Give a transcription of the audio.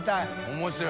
面白い！